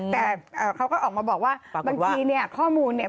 แต่เขาก็ออกมาบอกว่าบางทีเนี่ยข้อมูลเนี่ย